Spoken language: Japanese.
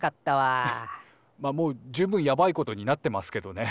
いやもう十分やばいことになってますけどね。